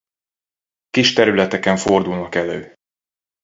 Kis területeken fordulnak elő.